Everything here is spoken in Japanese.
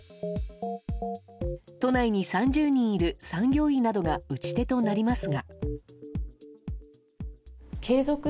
都内に３０人いる産業医などが打ち手となりますが。